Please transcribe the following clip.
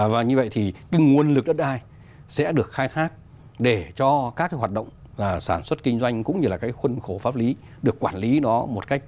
và như vậy thì cái nguồn lực đất đai sẽ được khai thác để cho các cái hoạt động sản xuất kinh doanh cũng như là cái khuân khổ pháp lý được quản lý nó một cách